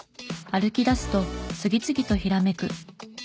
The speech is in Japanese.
歩き出すと次々とひらめく。